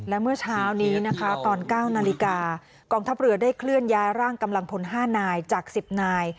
และเมื่อเช้านี้นะคะตอน๙นาฬิกากองทัพเรือได้เคลื่อนย้ายร่างกำลังพล๕นายจาก๑๐นาย